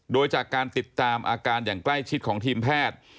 โดยจากการติดตามอาการอย่างใกล้ชิดของทีมแพทย์